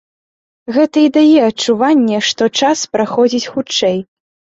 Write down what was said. Гэта і дае адчуванне, што час праходзіць хутчэй.